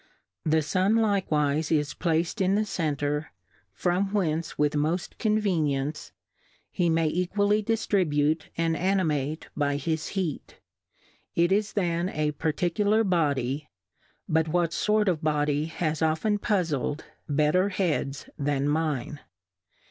The Sun likewife is placM in the Center, from whence with moft Convenience, he may equally diftribute and animate by his Heat ; it is then a particular Body, but what fort of Body has often puzled better Heads than mine.